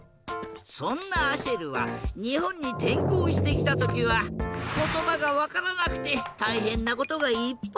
そんなアシェルはにほんにてんこうしてきたときはことばがわからなくてたいへんなことがいっぱいあったんだ。